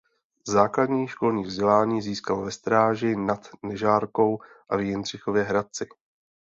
Základní školní vzdělání získal ve Stráži nad Nežárkou a v Jindřichově Hradci.